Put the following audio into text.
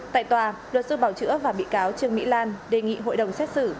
tại tòa luật sư bảo trữ ấp và bị cáo trương mỹ lan đề nghị hội đồng xét xử